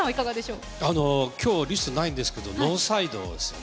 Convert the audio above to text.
きょう、リストにないんですけど、ノーサイドですね。